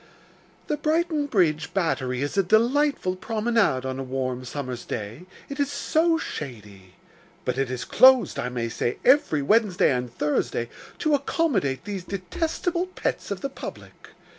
The Brighton Bridge Battery is a delightful promenade on a warm summer's day, it is so shady; but it is closed, I may say, every Wednesday and Thursday, to accommodate these detestable pets of the public.